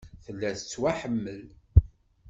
Tella tettwaḥemmel.